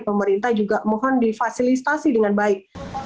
pemerintah juga mohon difasilitasi dengan baik